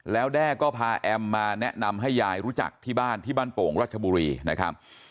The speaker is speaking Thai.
แล้วแด้ก็พาแอมมาแนะนำให้ยายรู้จักที่บ้านที่บ้านโป่งรัชบุรีนะครับ